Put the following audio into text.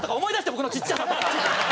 僕のちっちゃさとか！